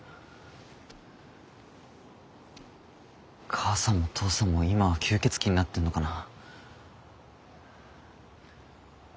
母さんも父さんも今は吸血鬼になってるのかな。